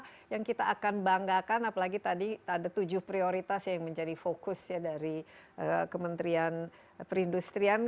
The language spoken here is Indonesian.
apa yang kita akan banggakan apalagi tadi ada tujuh prioritas yang menjadi fokus ya dari kementerian perindustrian